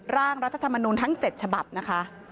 ร่างรัฐธรรมนูลทั้ง๗ฉบับนะคะ